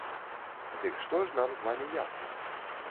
Дык што ж нам з вамі ясна?